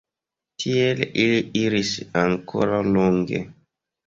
Tiel ili iris ankoraŭ longe.